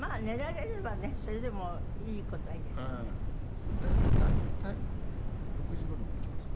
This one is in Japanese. それで大体６時頃に起きますね。